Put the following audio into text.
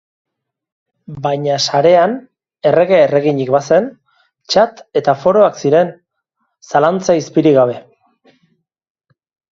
Baina sarean errege-erreginik bazen, txat eta foroak ziren, zalantza izpirik gabe.